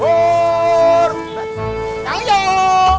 pur yang hijau